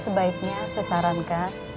sebaiknya saya sarankan